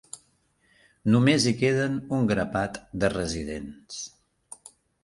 Només hi queden un grapat de residents.